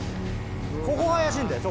ここが怪しいんだよ